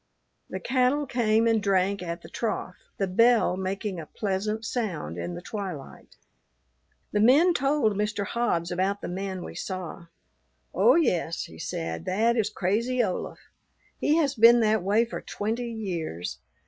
The cattle came and drank at the trough, the bell making a pleasant sound in the twilight. The men told Mr. Hobbs about the man we saw. "Oh, yes," he said, "that is Crazy Olaf. He has been that way for twenty years.